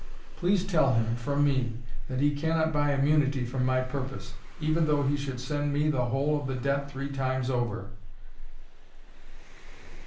Please tell him, from me, that he cannot buy immunity from my purpose, even though he should send me the whole of the debt three times over."